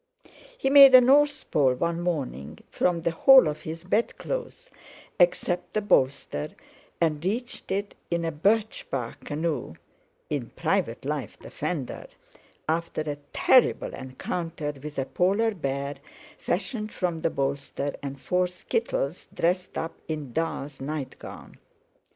He made a North Pole one morning from the whole of his bedclothes except the bolster, and reached it in a birch bark canoe (in private life the fender), after a terrible encounter with a polar bear fashioned from the bolster and four skittles dressed up in "Da's" nightgown.